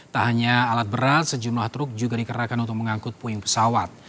tak hanya alat berat sejumlah truk juga dikerahkan untuk mengangkut puing pesawat